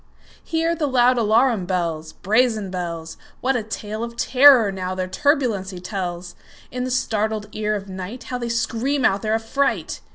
Hear the loud alarum bells, Brazen bells! What a tale of terror, now, their turbulency tells! In the startled ear of nightHow they scream out their affright!